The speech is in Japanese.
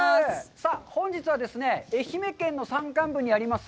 さあ、本日はですね、愛媛県の山間部にあります